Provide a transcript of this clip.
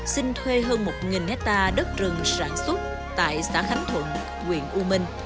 xin thuê hơn một hectare đất rừng sản xuất tại xã khánh thuận quyền u minh